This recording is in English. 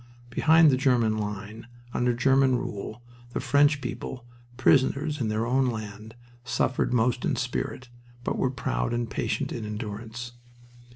Behind the German line, under German rule, the French people, prisoners in their own land, suffered most in spirit, but were proud and patient in endurance.